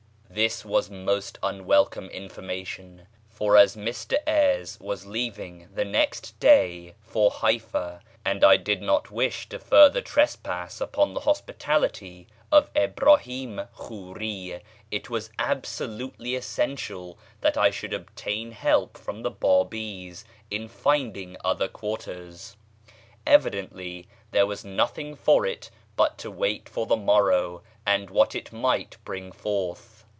This was most unwelcome information; for as Mr Eyres was leaving the next day for Haifá, and I did not wish to trespass further on the hospitality of Ibrahím Khúrí, it was absolutely essential that I should obtain help from the Bábís in finding other quarters. Evidently there was nothing for it but to wait for the morrow and what it might bring forth.